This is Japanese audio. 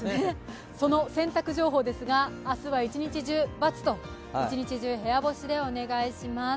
その洗濯情報ですが、明日は一日中、×と、部屋干しでお願いします。